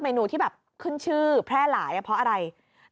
ไม่ใช่